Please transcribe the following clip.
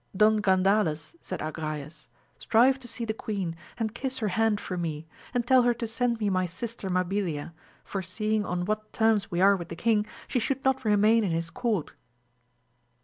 Don Gan dales, said Agrayes, strive to see the queen, and kiss her hand for me, and tell her to send me my sister Mabilia, for seeing on what terms we are with the king, she should not remain in his court.